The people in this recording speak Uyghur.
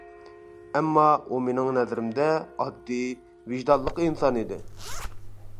ئەمما، ئۇ مېنىڭ نەزىرىمدە ئاددىي، ۋىجدانلىق ئىنسان ئىدى.